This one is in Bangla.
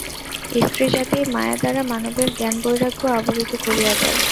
স্ত্রী জাতিই মায়া দ্বারা মানবের জ্ঞান-বৈরাগ্য আবরিত করিয়া দেয়।